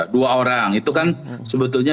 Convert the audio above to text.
dua orang itu kan sebetulnya